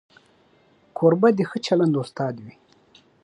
کوربه د ښه چلند استاد وي.